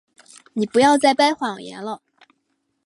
你不要再掰谎言了。